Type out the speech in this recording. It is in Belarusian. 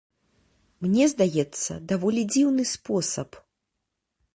Мне здаецца, даволі дзіўны спосаб.